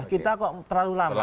kita kok terlalu lama